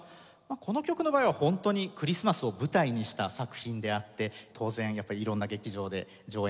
この曲の場合はホントにクリスマスを舞台にした作品であって当然やっぱり色んな劇場で上演されるんですけど。